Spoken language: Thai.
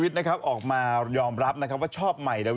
อันนั้นยังเหมือนเดิมยังเหมือนเดิม